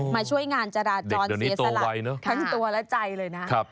มาช่วยงานจราจรเสียสละทั้งตัวและใจเลยนะ